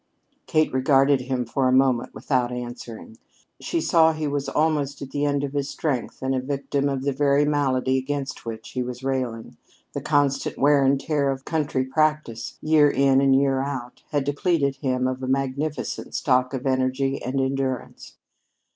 Kate regarded him for a moment without answering. She saw he was almost at the end of his strength and a victim of the very malady against which he was railing. The constant wear and tear of country practice, year in and year out, had depleted him of a magnificent stock of energy and endurance.